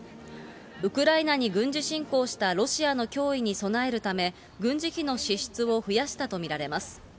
ウクライナに軍事侵攻したロシアの脅威に備えるため、軍事費の支出を増やしたと見られます。